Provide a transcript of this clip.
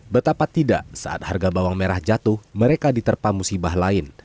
betapa tidak saat harga bawang merah jatuh mereka diterpam musibah lain